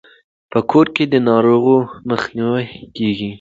په کور کې د ناروغیو مخه نیول کیږي.